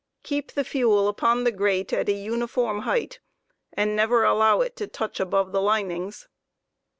Keep the fuel upon the grate at ^uniform height, and never allow it to touch above the linings.